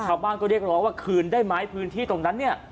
ชาวบ้านก็เรียกร้องว่าคืนได้ไหมพื้นที่ตรงนั้นเนี่ย